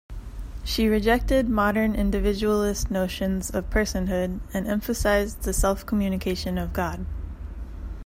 She rejected modern individualist notions of personhood and emphasised the self-communication of God.